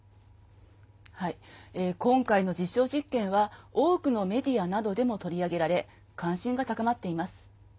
今回の実証実験は多くのメディアなどでも取り上げられ関心が高まっています。